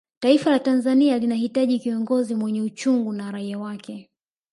taifa la tanzania linahitaji kiongozi mwenye uchungu na raia wake